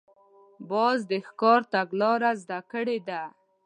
باز د ښکار تګلاره زده کړې ده